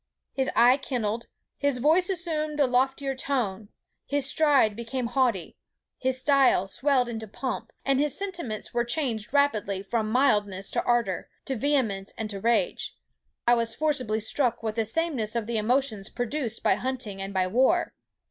His eye kindled; his voice assumed a loftier tone; his stride became haughty; his style swelled into pomp, and his sentiments were changed rapidly from mildness to ardour, to vehemence, and to rage. I was forcibly struck with the sameness of the emotions produced by hunting and by war.